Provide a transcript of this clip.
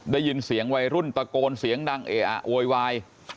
ได้ยินเสียงวัยรุ่นตะโกนเสียงดังเออะโวยวาย